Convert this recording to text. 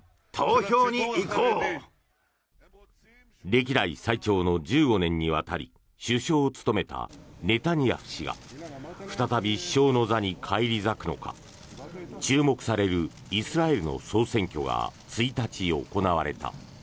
歴代最長の１５年にわたり首相を務めたネタニヤフ氏が再び首相の座に返り咲くのか注目されるイスラエルの総選挙が１日、行われた。